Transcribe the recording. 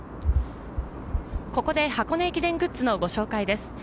ここで箱根駅伝グッズのご紹介です。